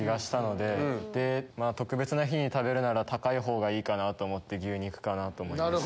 で特別な日に食べるなら高いほうがいいかなと思って牛肉かなと思いました。